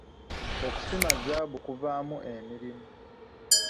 Okusima zzaabu kuvaamu emirimu.